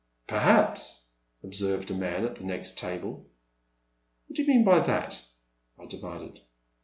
Perhaps,*' observed a man at the next table. What do you mean by that ?" I demanded.